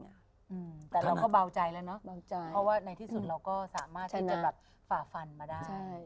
แต่เราก็เบาใจแล้วเนอะเบาใจเพราะว่าในที่สุดเราก็สามารถที่จะแบบฝ่าฟันมาได้ใช่